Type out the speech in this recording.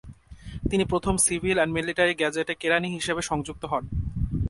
তিনি প্রথম civil and military gazette এ কেরানি হিসাবে নিযুক্ত হন।